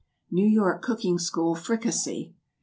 =New York Cooking School Fricassee.